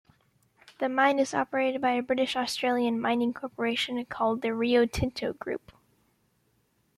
The mine is operated by a British-Australian mining corporation called the Rio Tinto Group.